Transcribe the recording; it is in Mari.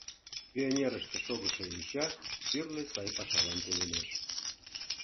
Пионерыште шогышо йоча тӱрлӧ сай пашалан тунемеш...